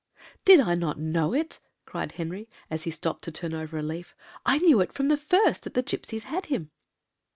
"Did not I know it?" cried Henry, as he stopped to turn over a leaf; "I knew it from the first that the gipsies had him."